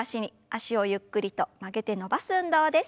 脚をゆっくりと曲げて伸ばす運動です。